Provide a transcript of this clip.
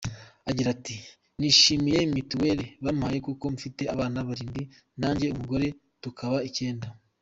Agira ati “Nishimiye Mitiweri bampaye kuko mfite abana barindwi nanjye n’umugore tukaba icyenda.